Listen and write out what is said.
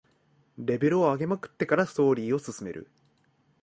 レベル上げまくってからストーリーを進める